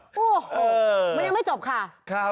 โอ้โหมันยังไม่จบค่ะ